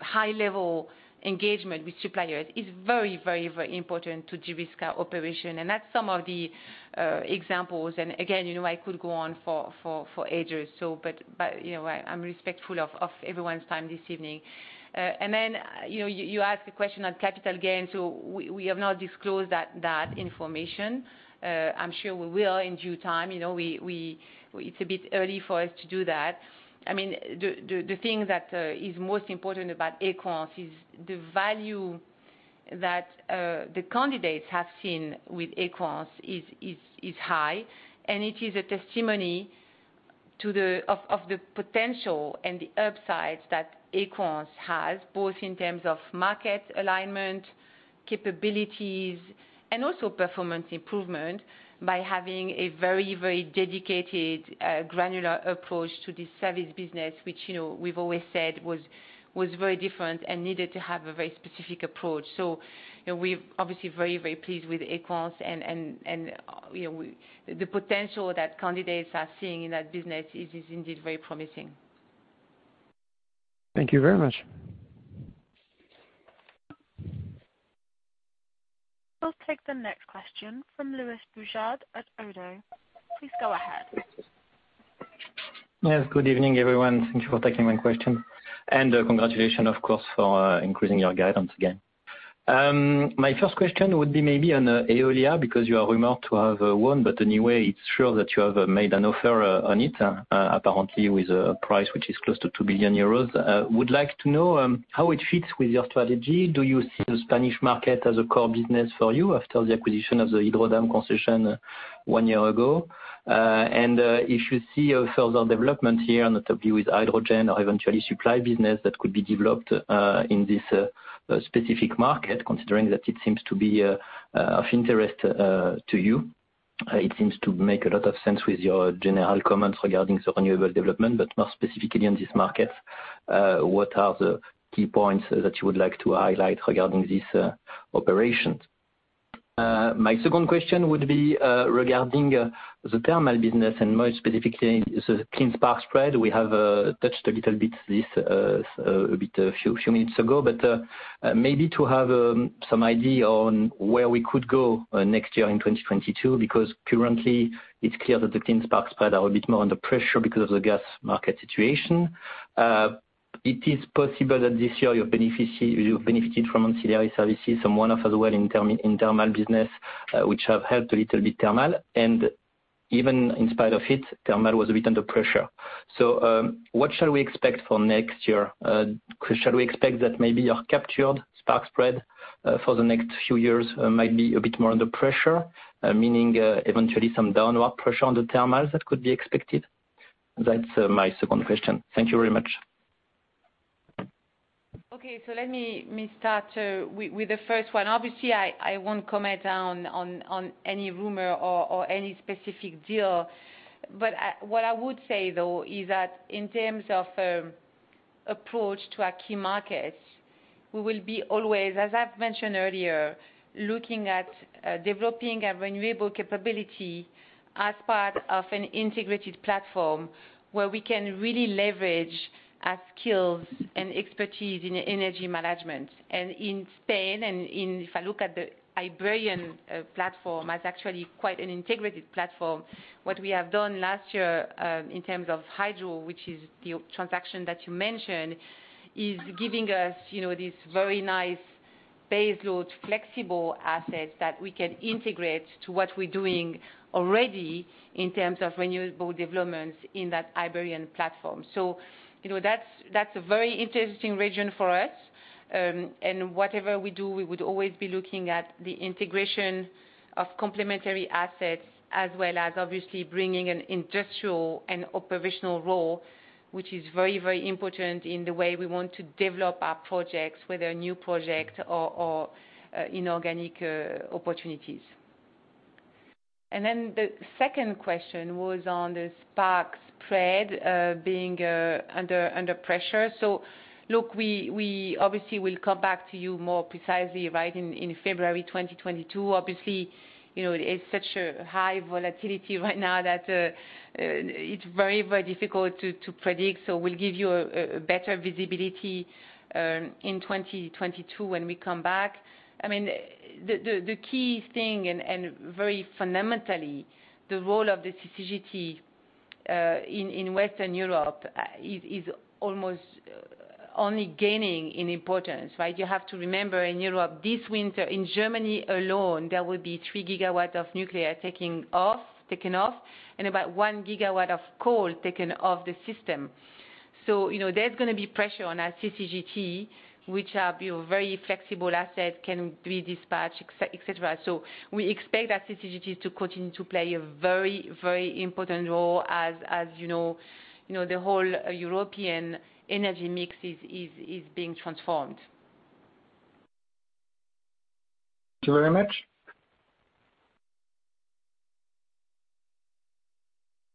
high-level engagement with suppliers is very, very, very important to de-risk our operation. And that's some of the examples. Again, I could go on for ages, but I'm respectful of everyone's time this evening. Then you ask a question on capital gain. We have not disclosed that information. I'm sure we will in due time. It's a bit early for us to do that. I mean, the thing that is most important about Equans is the value that the candidates have seen with Equans is high, and it is a testimony of the potential and the upsides that Equans has, both in terms of market alignment, capabilities, and also performance improvement by having a very, very dedicated granular approach to this service business, which we've always said was very different and needed to have a very specific approach. We're obviously very, very pleased with Equans, and the potential that candidates are seeing in that business is indeed very promising. Thank you very much. We'll take the next question from Louis Boujard at Oddo BHF. Please go ahead. Yes. Good evening, everyone. Thank you for taking my question. And congratulations, of course, for increasing your guidance again. My first question would be maybe on Eolia because you are rumored to have won, but anyway, it's sure that you have made an offer on it, apparently with a price which is close to 2 billion euros. Would like to know how it fits with your strategy. Do you see the Spanish market as a core business for you after the acquisition of the Hydro Dam concession one year ago? If you see further development here on the top view with hydrogen or eventually supply business that could be developed in this specific market, considering that it seems to be of interest to you, it seems to make a lot of sense with your general comments regarding the renewable development, but more specifically on this market, what are the key points that you would like to highlight regarding this operation? My second question would be regarding the thermal business and more specifically the Clean Spark Spread. We have touched a little bit this a few minutes ago, but maybe to have some idea on where we could go next year in 2022 because currently it's clear that the Clean Spark Spread are a bit more under pressure because of the gas market situation. It is possible that this year you've benefited from ancillary services and one-off as well in thermal business, which have helped a little bit thermal, and even in spite of it, thermal was a bit under pressure, so what shall we expect for next year? Shall we expect that maybe your captured spark spread for the next few years might be a bit more under pressure, meaning eventually some downward pressure on the thermals that could be expected? That's my second question. Thank you very much. Okay, so let me start with the first one. Obviously, I won't comment on any rumor or any specific deal, but what I would say, though, is that in terms of approach to our key markets, we will be always, as I've mentioned earlier, looking at developing a renewable capability as part of an integrated platform where we can really leverage our skills and expertise in energy management, and in Spain, and if I look at the Iberian platform, it's actually quite an integrated platform. What we have done last year in terms of hydro, which is the transaction that you mentioned, is giving us these very nice baseload flexible assets that we can integrate to what we're doing already in terms of renewable developments in that Iberian platform, so that's a very interesting region for us. And whatever we do, we would always be looking at the integration of complementary assets as well as obviously bringing an industrial and operational role, which is very, very important in the way we want to develop our projects, whether new projects or inorganic opportunities. And then the second question was on the spark spread being under pressure. So look, we obviously will come back to you more precisely right in February 2022. Obviously, it's such a high volatility right now that it's very, very difficult to predict. So we'll give you a better visibility in 2022 when we come back. I mean, the key thing, and very fundamentally, the role of the CCGT in Western Europe is almost only gaining in importance, right? You have to remember in Europe, this winter, in Germany alone, there will be three GWs of nuclear taken off, and about one GW of coal taken off the system. So there's going to be pressure on our CCGT, which are very flexible assets, can be dispatched, etc. So we expect our CCGTs to continue to play a very, very important role as the whole European energy mix is being transformed. Thank you very much.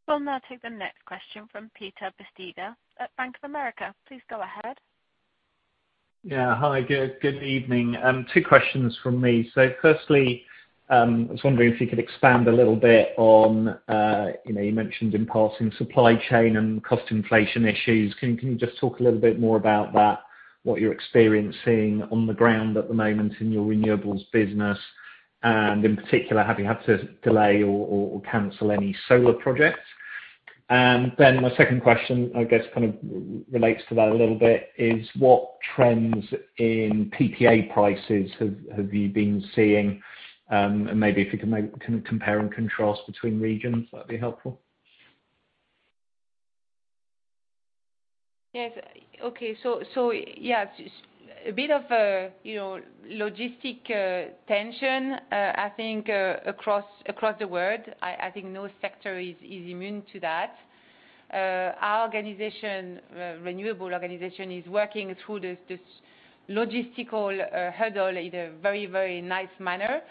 We'll now take the next question from Peter Bisztyga at Bank of America. Please go ahead. Yeah. Hi, good evening. Two questions from me. So firstly, I was wondering if you could expand a little bit on, you mentioned in passing supply chain and cost inflation issues. Can you just talk a little bit more about that, what you're experiencing on the ground at the moment in your renewables business, and in particular, have you had to delay or cancel any solar projects? And then my second question, I guess kind of relates to that a little bit, is what trends in PPA prices have you been seeing? And maybe if you can compare and contrast between regions, that'd be helpful. Yes. Okay, so yeah, a bit of logistical tension, I think, across the world. I think no sector is immune to that. Our renewable organization is working through this logistical hurdle in a very, very nice manner.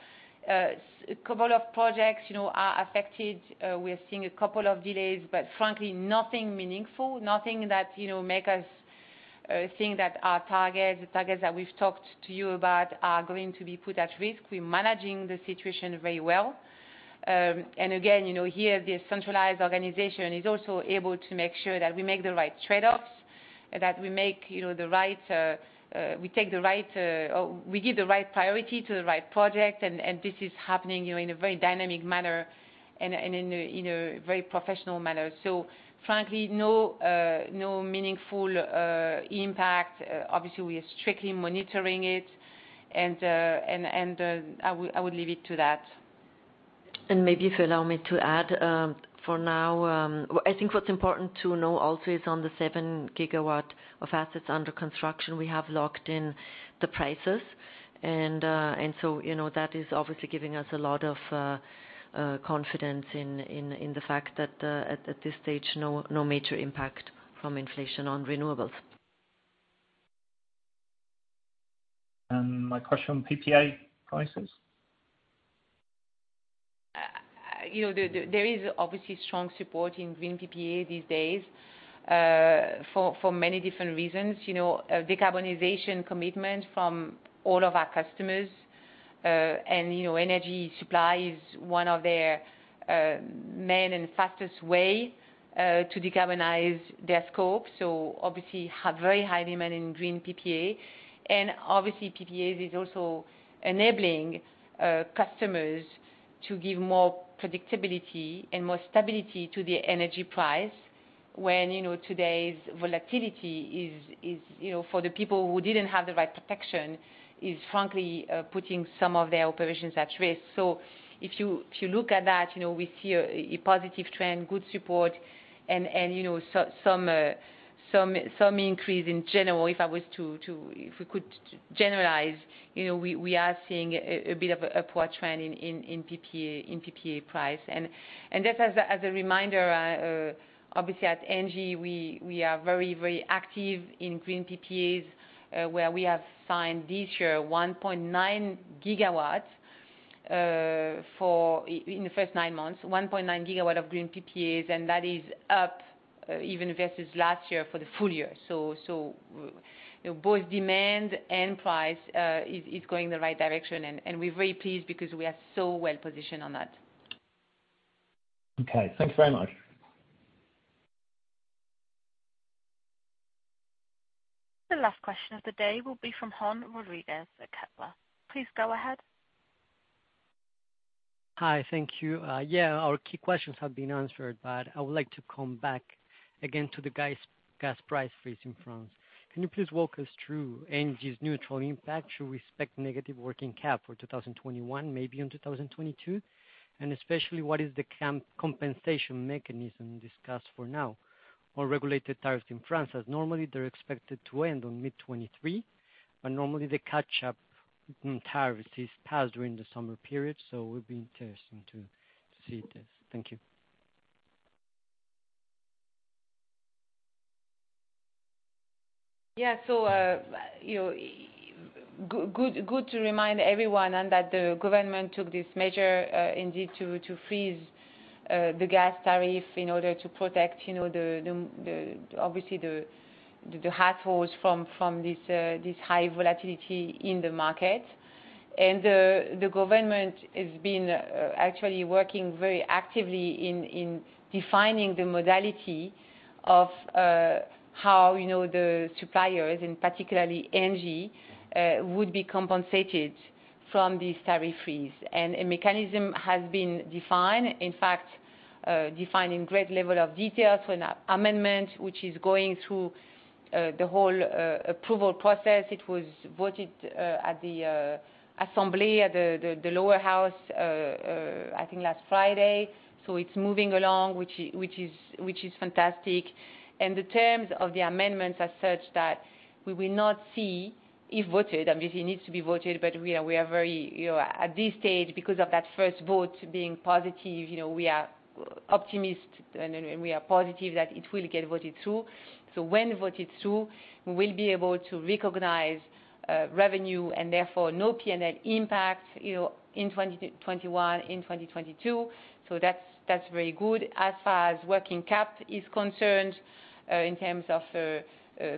A couple of projects are affected. We are seeing a couple of delays, but frankly, nothing meaningful, nothing that makes us think that our targets, the targets that we've talked to you about, are going to be put at risk. We're managing the situation very well. And again, here, the centralized organization is also able to make sure that we make the right trade-offs, that we give the right priority to the right project, and this is happening in a very dynamic manner and in a very professional manner, so frankly, no meaningful impact. Obviously, we are strictly monitoring it, and I would leave it to that. Maybe if you allow me to add, for now, I think what's important to know also is on the seven GW of assets under construction, we have locked in the prices. That is obviously giving us a lot of confidence in the fact that at this stage, no major impact from inflation on renewables. My question on PPA prices? There is obviously strong support in green PPA these days for many different reasons. Decarbonization commitment from all of our customers, and energy supply is one of their main and fastest way to decarbonize their scope, so obviously have very high demand in green PPA, and obviously PPAs is also enabling customers to give more predictability and more stability to the energy price when today's volatility is, for the people who didn't have the right protection, frankly putting some of their operations at risk, so if you look at that, we see a positive trend, good support, and some increase in general. If we could generalize, we are seeing a bit of an upward trend in PPA price. Just as a reminder, obviously, at ENGIE, we are very, very active in green PPAs where we have signed this year 1.9 GWs in the first nine months, 1.9 GWs of green PPAs, and that is up even versus last year for the full year. Both demand and price is going in the right direction, and we're very pleased because we are so well positioned on that. Okay. Thank you very much. The last question of the day will be from Juan Rodriguez. Please go ahead. Hi. Thank you. Yeah, our key questions have been answered, but I would like to come back again to the gas price freeze in France. Can you please walk us through ENGIE's neutral impact? Should we expect negative working cap for 2021, maybe in 2022? And especially, what is the compensation mechanism discussed for now? Or regulated tariffs in France, as normally they're expected to end on mid-2023, but normally the catch-up tariffs is passed during the summer period. So it would be interesting to see this. Thank you. Yeah. So good to remind everyone that the government took this measure indeed to freeze the gas tariff in order to protect, obviously, the households from this high volatility in the market. And the government has been actually working very actively in defining the modality of how the suppliers, and particularly ENGIE, would be compensated from these tariff freeze. And a mechanism has been defined, in fact, defined in great level of detail through an amendment which is going through the whole approval process. It was voted at the assembly, at the lower house, I think last Friday. So it's moving along, which is fantastic. And the terms of the amendment are such that we will not see if voted. Obviously, it needs to be voted, but we are very optimistic at this stage, because of that first vote being positive, we are optimistic and we are positive that it will get voted through. So when voted through, we will be able to recognize revenue and therefore no P&L impact in 2021, in 2022. So that's very good. As far as working cap is concerned, in terms of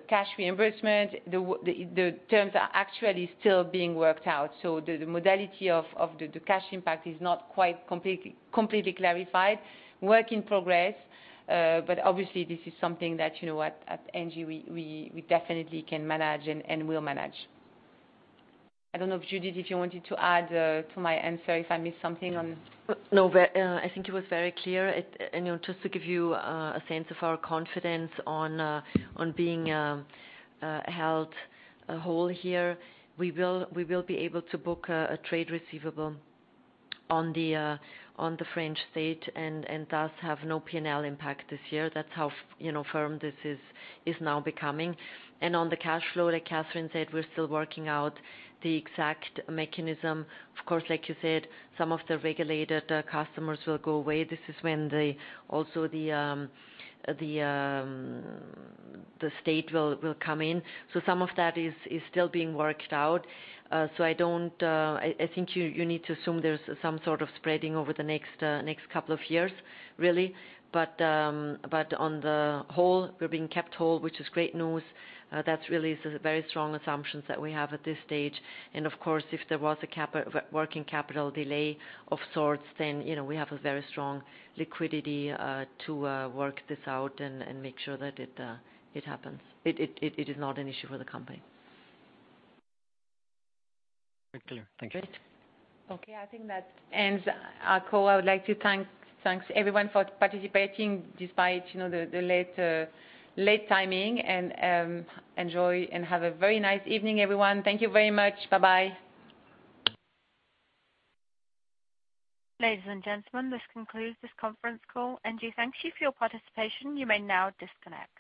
cash reimbursement, the terms are actually still being worked out. So the modality of the cash impact is not quite completely clarified. Work in progress, but obviously, this is something that at ENGIE, we definitely can manage and will manage. I don't know if Judith, if you wanted to add to my answer if I missed something on. No, I think it was very clear, and just to give you a sense of our confidence on being held whole here, we will be able to book a trade receivable on the French state and thus have no P&L impact this year. That's how firm this is now becoming, and on the cash flow, like Catherine said, we're still working out the exact mechanism. Of course, like you said, some of the regulated customers will go away. This is when also the state will come in. So some of that is still being worked out, so I think you need to assume there's some sort of spreading over the next couple of years, really, but on the whole, we're being kept whole, which is great news. That really is a very strong assumption that we have at this stage. Of course, if there was a working capital delay of sorts, then we have a very strong liquidity to work this out and make sure that it happens. It is not an issue for the company. Very clear. Thank you. Great. Okay. I think that ends our call. I would like to thank everyone for participating despite the late timing, and enjoy and have a very nice evening, everyone. Thank you very much. Bye-bye. Ladies and gentlemen, this concludes this conference call. ENGIE, thank you for your participation. You may now disconnect.